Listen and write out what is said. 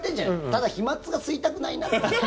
ただ、飛まつが吸いたくないなって。